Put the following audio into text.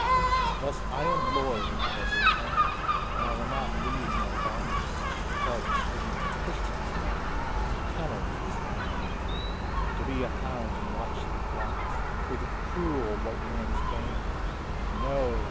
Thus I am lord of the Desert Land, And I will not leave my bounds, To crouch beneath the Christian's hand, And kennel with his hounds: To be a hound, and watch the flocks, For the cruel white man's gain No!